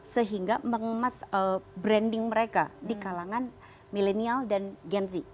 sehingga mengemas branding mereka di kalangan millennial dan genzy